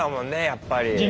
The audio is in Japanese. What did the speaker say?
やっぱり。